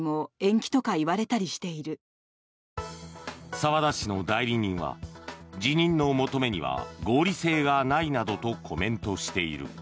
澤田氏の代理人は辞任の求めには合理性がないなどとコメントしている。